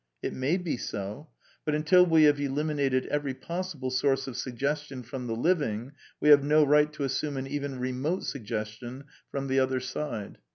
It may be so. But until we have eliminated every pos sible source of suggestion from the living we have no right to assume an even remote suggestion from "the other side."